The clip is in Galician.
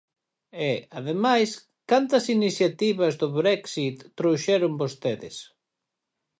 E, ademais, ¿cantas iniciativas do Brexit trouxeron vostedes?